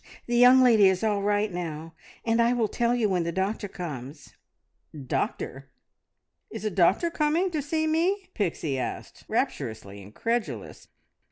The young lady is all right now, and I will tell you when the doctor comes." "Doctor! Is a doctor coming? To see me?" Pixie asked, rapturously incredulous.